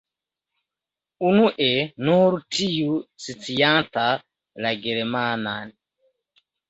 Unue, nur tiu scianta la germanan.